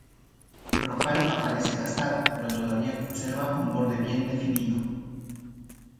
El brocal aparece gastado, pero todavía conserva un borde bien definido.